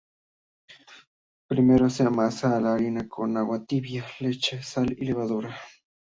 Primero se amasa la harina con agua tibia, leche, sal y levadura.